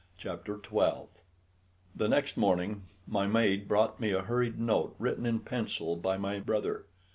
CHAPTER XII The next morning, my maid brought me a hurried note written in pencil by my brother.